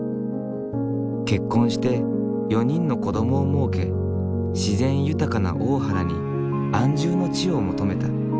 結婚して４人の子どもをもうけ自然豊かな大原に安住の地を求めた。